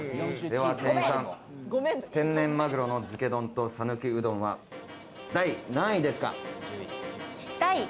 では店員さん、天然まぐろの漬け丼と讃岐うどんは第何位ですか？